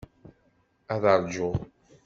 Ad ṛjuɣ.